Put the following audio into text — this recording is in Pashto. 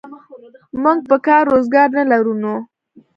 موږ به کار روزګار نه لرو نو.